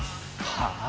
はあ？